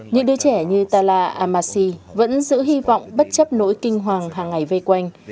những đứa trẻ như tala amashi vẫn giữ hy vọng bất chấp nỗi kinh hoàng hàng ngày vây quanh